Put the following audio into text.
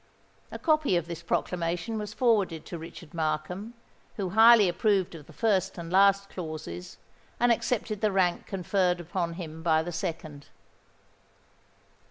A copy of this proclamation was forwarded to Richard Markham, who highly approved of the first and last clauses, and accepted the rank conferred upon him by the second.